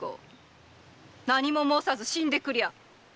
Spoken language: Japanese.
何も申さず死んでくりゃ！